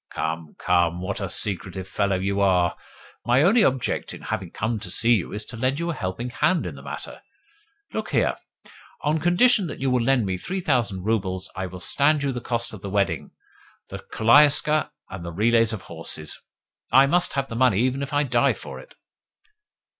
"Come, come! What a secretive fellow you are! My only object in having come to see you is to lend you a helping hand in the matter. Look here. On condition that you will lend me three thousand roubles, I will stand you the cost of the wedding, the koliaska, and the relays of horses. I must have the money even if I die for it."